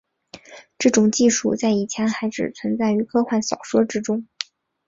这种技术在以前还只存在于科幻小说之中。